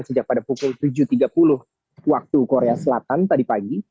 sejak pada pukul tujuh tiga puluh waktu korea selatan tadi pagi